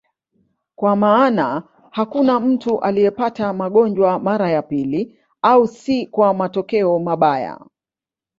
Kwa maana hakuna mtu aliyepata ugonjwa mara ya pili, au si kwa matokeo mbaya.